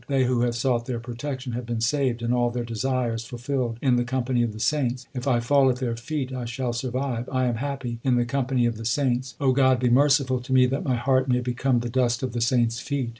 They who have sought their protection have been saved, and all their desires fulfilled in the company of the saints. If I fall at their feet I shall survive ; I am happy in the company of the saints. God, be merciful to me that my heart may become the dust of the saints feet.